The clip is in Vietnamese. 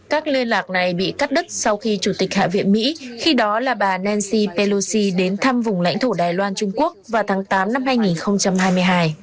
các liên lạc này bị cắt đứt sau khi chủ tịch hạ viện mỹ khi đó là bà nancy pelosi đến thăm vùng lãnh thổ đài loan trung quốc vào tháng tám năm hai nghìn hai mươi hai